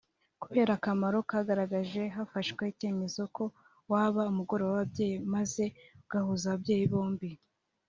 Kubera akamaro kagaragaje hafashwe icyemezo ko waba ‘Umugoroba w’Ababyeyi’ maze ugahuza ababyeyi bombi